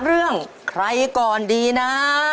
เรื่องใครก่อนดีนะ